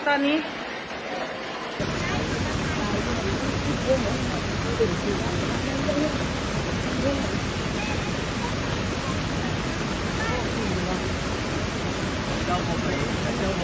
น้ำไหลแรงมากค่ะ